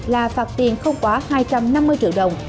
là phạt tiền không quá hai trăm năm mươi triệu đồng